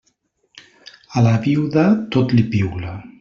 A la viuda, tot li piula.